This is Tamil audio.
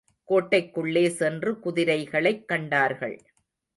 கோட்டைக்குள்ளே சென்று குதிரைகளைக் கண்டார்கள்.